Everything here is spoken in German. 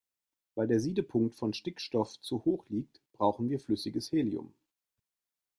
Weil der Siedepunkt von Stickstoff zu hoch liegt, brauchen wir flüssiges Helium.